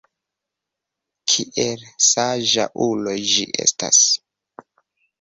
Kiel saĝa ulo ĝi estas!